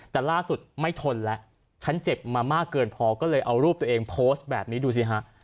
แต่ล่าสุดไม่ทนแล้วฉันเจ็บมามากเกินพอก็เลยเอารูปตัวเองโพสต์แบบนี้ดูสิฮะ